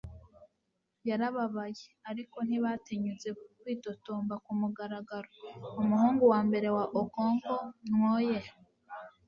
yarababaye. ariko ntibatinyutse kwitotomba ku mugaragaro. umuhungu wa mbere wa okonkwo, nwoye